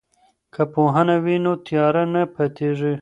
که پوهنه وي نو تیاره نه پاتیږي.